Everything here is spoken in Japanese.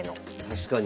確かに。